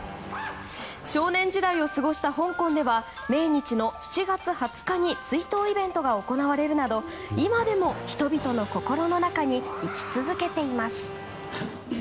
少年時代を過ごした香港では命日の７月２０日に追悼イベントが行われるなど今でも人々の心の中に生き続けています。